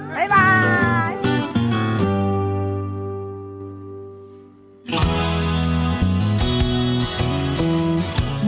บ๊ายบาย